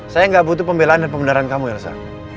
saya gak butuh pembelaan dan pembendaran kamu yelza